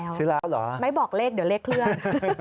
ซื้อแล้วเหรอไม่บอกเลขเดี๋ยวเลขเคลื่อน